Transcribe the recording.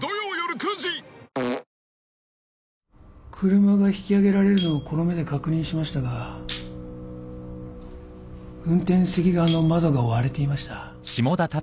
車が引き揚げられるのをこの目で確認しましたが運転席側の窓が割れていました。